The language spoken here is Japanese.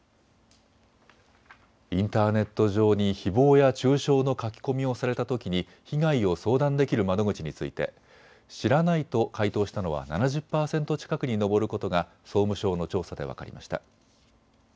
インターネット上にひぼうや中傷の書き込みをされたときに被害を相談できる窓口について知らないと回答したのは７０％近くに上ることが総務省の調査で分かりました。